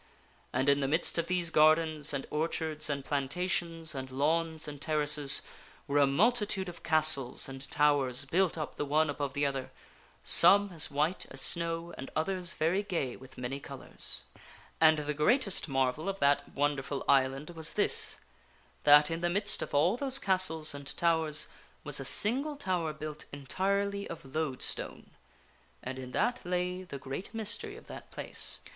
And in the midst of these gardens and orchards and plantations and lawns and ter races, were a multitude of castles and towers built up the one above the other some as white as snow and others very gay with many colors. And the greatest marvel of that wonderful island was this : that in the 160 PROLOGUE midst of all those castles and towers was a single tower built entirely of loadstone. And in that lay the great mystery of that place.